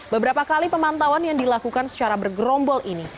beberapa kali pemantauan yang dilakukan secara bergerombol ini